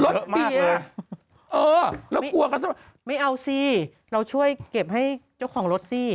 เบียร์เออแล้วกลัวก็ไม่เอาสิเราช่วยเก็บให้เจ้าของรถสิ